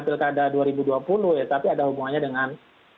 pilkada dua ribu dua puluh ya tapi ada hubungannya dengan